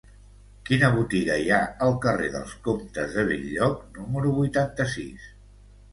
Quina botiga hi ha al carrer dels Comtes de Bell-lloc número vuitanta-sis?